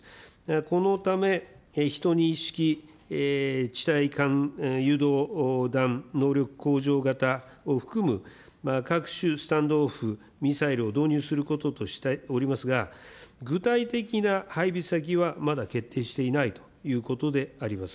このため、１２式地対艦誘導弾能力向上型を含む、各種スタンド・オフ・ミサイルを導入することとしておりますが、具体的な配備先はまだ決定していないということであります。